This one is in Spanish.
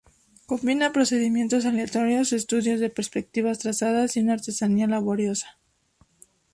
Combina procedimientos aleatorios, estudios de perspectivas trazadas y una artesanía laboriosa.